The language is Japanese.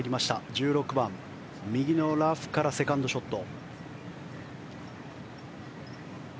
１６番右のラフからセカンドショット。